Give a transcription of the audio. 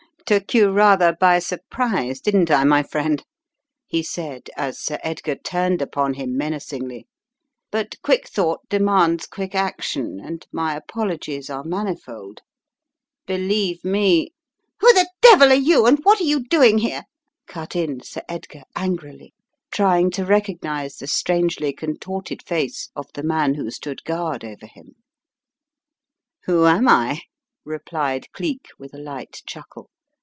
"Took you rather by surprise didn't I, my friend?" he said as Sir Edgar turned upon him men acingly. "But quick thought demands quick action, and my apologies are manifold. Believe me " "Who the devil are you and what are you doing here? " cut in Sir Edgar, angrily, trying to recognize the strangely contorted face of the man who stood giiard over him. Who am I?" replied Cleek, with a light chuckle.